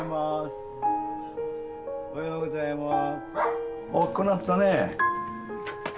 おはようございます。